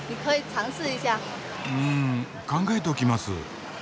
ん考えときます。